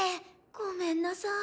ごめんなさい。